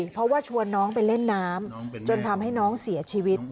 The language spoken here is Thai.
เพราะว่าชวนน้องไปเล่นน้ำจนทำให้น้องเสียชีวิต